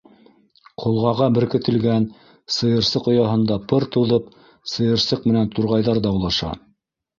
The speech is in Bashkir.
Ҡолғаға беркетелгән сыйырсыҡ ояһында пыр туҙып сыйырсыҡ менән турғайҙар даулаша.